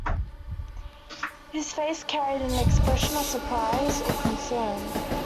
His face carried an expression of surprise or concern.